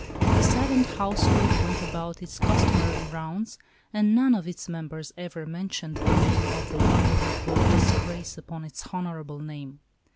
The saddened household went about its customary rounds, and none of its members ever mentioned the name of the one who had brought disgrace upon its honorable name.